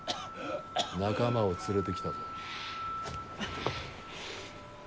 仲間を連れてきたぞ。